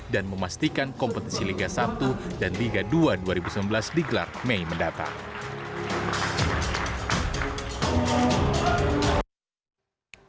dan memastikan kompetisi liga satu dan liga dua dua ribu sembilan belas digelar mei mendatang